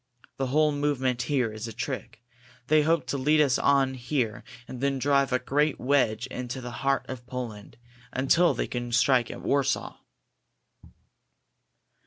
The whole movement here is a trick. They hope to lead us on here and then drive a great wedge into the heart of Poland, until they can strike at Warsaw."